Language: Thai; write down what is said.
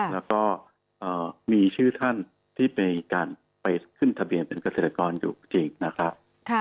แล้วก็มีชื่อท่านที่มีการไปขึ้นทะเบียนเป็นเกษตรกรอยู่จริงนะครับ